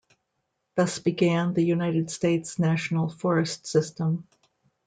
Thus began the United States National Forest System.